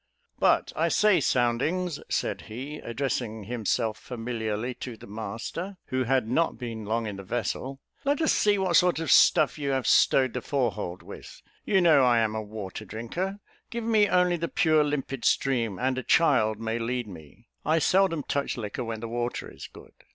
"But, I say, Soundings," said he, addressing himself familiarly to the master, who had not been long in the vessel, "let us see what sort of stuff you have stowed the fore hold with. You know I am a water drinker; give me only the pure limpid stream, and a child may lead me. I seldom touch liquor when the water is good."